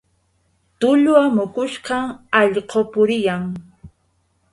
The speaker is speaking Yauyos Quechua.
Tulla amukushqam allqu puriyan.